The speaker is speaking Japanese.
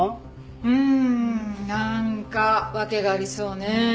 うーんなんか訳がありそうねえ。